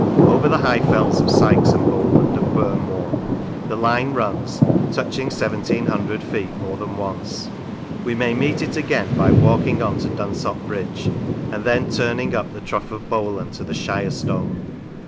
Over the high fells of Sykes and Bowland and Burn Moor the line runs, touching seventeen hundred feet more than once. We may meet it again by walking on to Dunsop Bridge, and then turning up the Trough of Bowland to the Shire Stone.